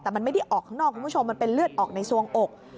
แต่มันไม่ได้ออกข้างนอกคุณผู้ชมมันเป็นเลือดออกในสวงอก